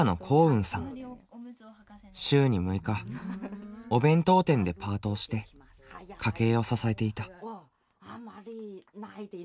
週に６日お弁当店でパートをして家計を支えていた。